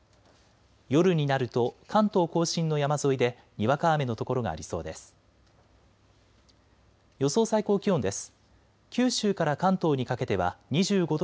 夜になると関東甲信の山沿いでにわか雨の所がありそうです。